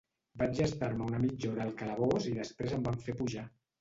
Vaig estar-me una mitja hora al calabós i després em van fer pujar.